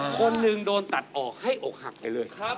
คนหนึ่งโดนตัดออกให้อกหักไปเลย